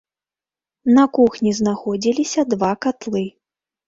На кухні знаходзіліся два катлы.